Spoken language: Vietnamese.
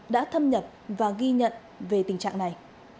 đã thâm nhập và ghi nhận về tình trạng này